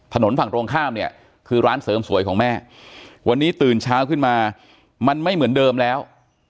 ถนนฝั่งตรงข้ามเนี่ยคือร้านเสริมสวยของแม่วันนี้ตื่นเช้าขึ้นมามันไม่เหมือนเดิมแล้ว